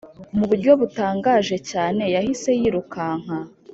mu buryo butangaje cyane yahise yirukanka